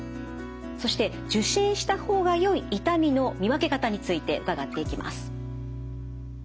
そして受診した方がよい痛みの見分け方について伺っていきます。